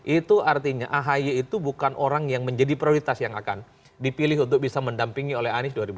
itu artinya ahy itu bukan orang yang menjadi prioritas yang akan dipilih untuk bisa mendampingi oleh anies dua ribu dua puluh